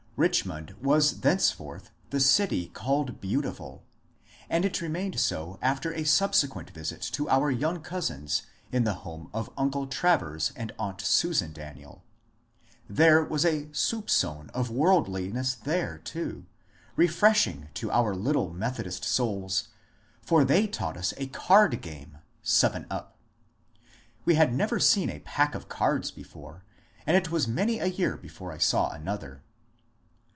Richmond was thenceforth the city called Beautiful, and it remained so after a subsequent visit to our young cousins in the home of uncle Travers and aunt Susan Daniel. There was a aoupfonot worldliness there too, refresh ing to our little Methodist souls, for they tSAight us a card game (^^ seven up "). We had never seen a pack of cards before, and it was many a year before I saw another.